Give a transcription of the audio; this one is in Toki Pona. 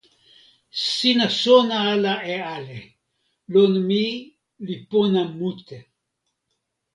sina sona ala e ale. lon mi li pona mute.